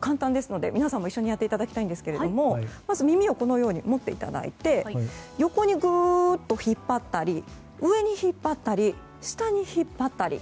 簡単ですので、皆さんも一緒にやっていただきたいんですがまず耳を持っていただいて横にぐーっと引っ張ったり上に引っ張ったり下に引っ張ったり。